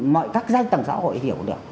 mọi các giai tầng xã hội hiểu được